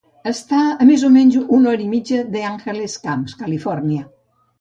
Està a més o menys una hora i mitja d'Angels Camp, Califòrnia.